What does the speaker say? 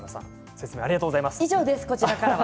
説明ありがとうございました。